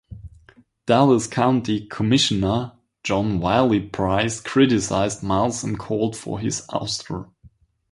Dallas County Commissioner John Wiley Price criticized Miles and called for his ouster.